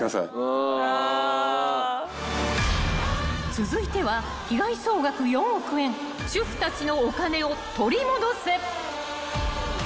［続いては被害総額４億円主婦たちのお金を取り戻せ］